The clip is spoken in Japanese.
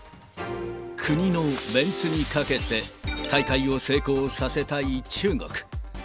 国のメンツにかけて、大会を成功させたい中国。